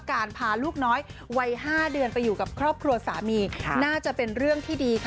การพาลูกน้อยวัย๕เดือนไปอยู่กับครอบครัวสามีน่าจะเป็นเรื่องที่ดีค่ะ